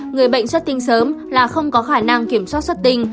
người bệnh chất tinh sớm là không có khả năng kiểm soát xuất tinh